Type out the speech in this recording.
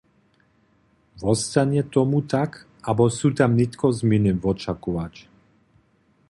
Wostanje tomu tak, abo su tam nětko změny wočakować?